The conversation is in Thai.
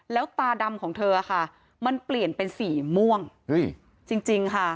แล้วตาดำของเธอค่ะมันเปลี่ยนเป็นสีม่วงจริงค่ะ